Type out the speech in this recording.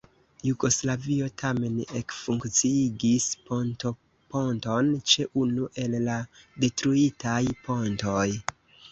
Jugoslavio tamen ekfunkciigis pontonponton ĉe unu el la detruitaj pontoj.